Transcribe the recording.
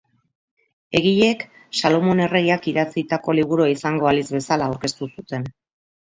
Egileek Salomon erregeak idatzitako liburua izango balitz bezala aurkeztu zuten.